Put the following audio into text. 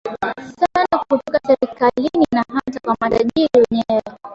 sana kutoka serikalini na hata kwa matajiri wenyewe